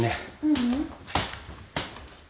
ううん。